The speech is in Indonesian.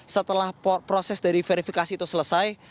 setelah proses dari verifikasi itu selesai